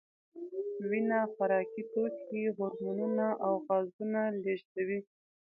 وینه خوراکي توکي، هورمونونه او غازونه لېږدوي.